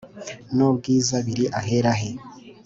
n ubwiza biri ahera he